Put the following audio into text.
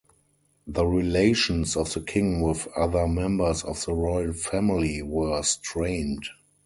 The relations of the king with other members of the royal family were strained.